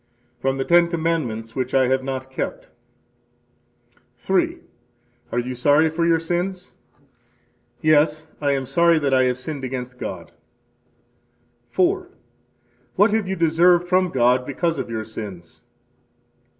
From the Ten Commandments, which I have not kept. 3. Are you sorry for your sins? Yes, I am sorry that I have sinned against God. 4. What have you deserved from God because of your sins?